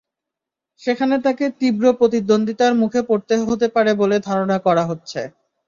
সেখানে তাঁকে তীব্র প্রতিদ্বন্দ্বিতার মুখে পড়তে হতে পারে বলে ধারণা করা হচ্ছে।